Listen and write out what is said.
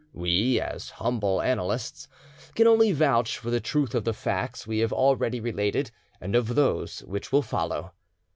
We, as humble annalists, can only vouch for the truth of the facts we have already related and of those which will follow.